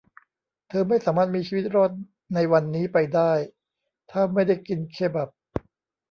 เธอไม่สามารถมีชีวิตรอดในวันนี้ไปได้ถ้าไม่ได้กินเคบับ